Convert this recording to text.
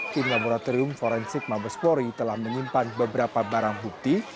tim laboratorium forensik mabespori telah menyimpan beberapa barang bukti